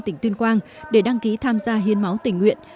tỉnh tuyên quang để đăng ký tham gia hiến máu tình nguyện